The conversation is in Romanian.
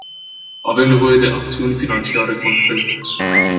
Avem nevoie de acțiuni financiare concrete.